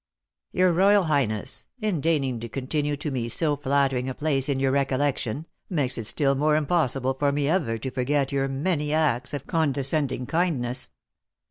"Your royal highness, in deigning to continue to me so flattering a place in your recollection, makes it still more impossible for me ever to forget your many acts of condescending kindness."